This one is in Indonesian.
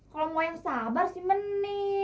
kalo mau yang sabar sih meneh